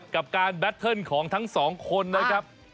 กับการแบตเทิลของทั้ง๒คนล่ะครับ